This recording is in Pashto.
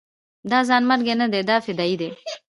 دا ځانمرګي نه دي دا فدايان دي.